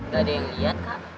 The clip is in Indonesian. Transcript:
gak ada yang lihat kak